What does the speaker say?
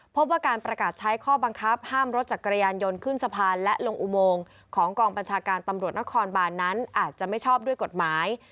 พบว่าการประกาศใช้ข้อบังคับห้ามรถจักรยานยนต์ขึ้นสะพานและลงอุโมงของกองบัญชาการตำรวจนครบานนั้นอาจจะไม่ชอบด้วยกฎหมาย